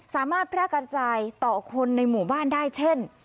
สามารถแพร่กระจายต่อคนในหมู่บ้านได้เช่น